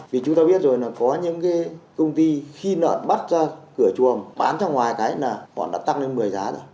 vì chúng ta biết rồi là có những cái công ty khi nợ bắt ra cửa chuồng bán ra ngoài cái là bọn đã tăng lên một mươi giá rồi